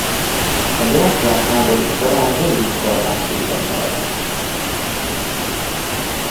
A délszláv háború során végig horvát kézen maradt.